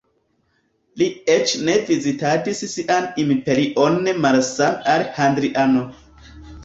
Li eĉ ne vizitadis sian imperion malsame al Hadriano.